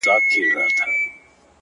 له غمه هېر يم د بلا په حافظه کي نه يم-